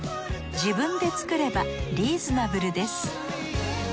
自分で作ればリーズナブルです。